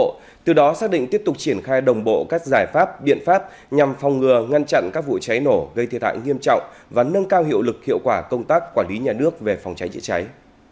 các tập thể cá nhân đã xác định tiếp tục triển khai đồng bộ các giải pháp biện pháp nhằm phòng ngừa ngăn chặn các vụ cháy nổ gây thiệt hại nghiêm trọng và nâng cao hiệu lực hiệu quả công tác quản lý nhà nước về phòng cháy chữa cháy